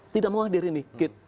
tidak mau hadir ini